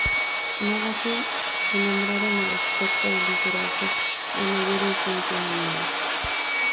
Magazine" lo nombraron el experto en Liderazgo de mayor influencia en el mundo.